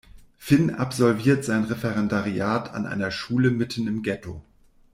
Finn absolviert sein Referendariat an einer Schule mitten im Getto.